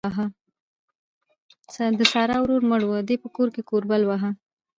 د سارا ورور مړ وو؛ دې په کور کې کوربل واهه.